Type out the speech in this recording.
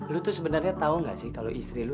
lu tuh sebenernya tau gak sih kalo istri lu